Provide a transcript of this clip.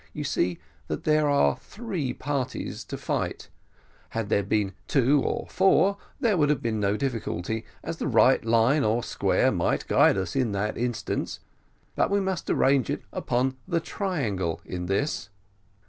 You see that there are three parties to fight; had there been two or four there would have been no difficulty, as the right line or square might guide us in that instance; but we must arrange it upon the triangle in this."